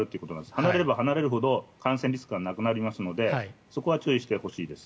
離れれば離れるほど感染リスクはなくなりますのでそこは注意してほしいです。